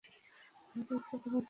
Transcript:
দয়া করে কিছু করুন।